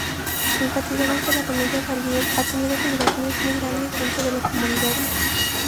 Enfatizaron que la Familia Valier ha tenido generaciones muy grandes dentro de la comunidad.